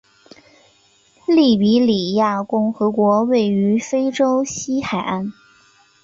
利比里亚共和国位于非洲西海岸。